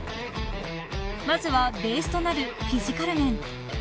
［まずはベースとなるフィジカル面］